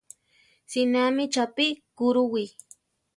Sineámi chápi kurúwi.